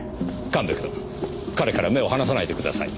神戸君彼から目を離さないでください。